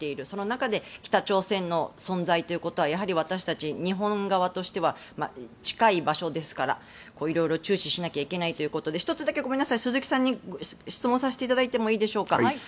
その中で北朝鮮の存在ということはやはり私たち日本側としては近い場所ですから色々注視しなければいけないということで１つだけ、鈴木さんに質問させていただいてもいいでしょうか。